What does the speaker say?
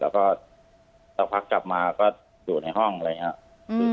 แล้วก็ต่อพักกลับมาก็อยู่ในห้องอะไรอย่างนี้ครับอืม